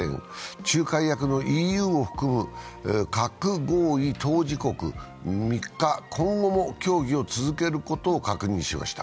仲介役のＥＵを含む核合意当事国は３日、今後も協議を続けることを確認しました。